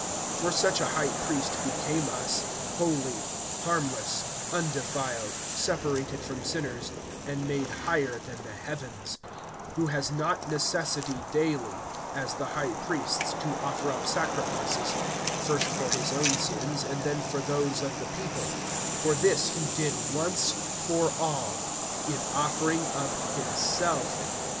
(26)For such a high priest became us, holy, harmless, undefiled, separated from sinners, and made higher than the heavens; (27)who has not necessity daily, as the high priests, to offer up sacrifices, first for his own sins, and then for those of the people; for this he did once for all, in offering up himself.